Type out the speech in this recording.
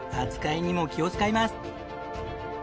扱いにも気を使います。